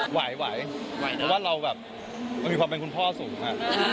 ไหวเพราะว่าเราแบบมันมีความเป็นคุณพ่อสูง